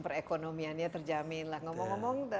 perekonomiannya terjamin ngomong ngomong